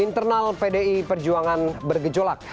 internal pdi perjuangan bergejolak